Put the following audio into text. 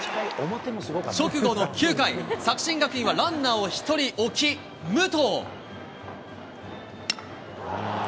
直後の９回、作新学院はランナーを１人置き、武藤。